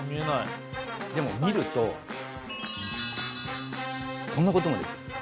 でも見るとこんなこともできる。